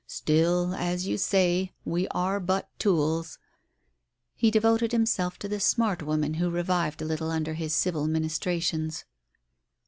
" Still, as you say, we are but tools " He devoted himself to the smart woman, who revived a little under his civil ministrations.